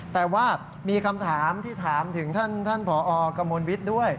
แต่ว่ามีคำถามที่ถามถึงท่านผอกมลวิทย์ด้วย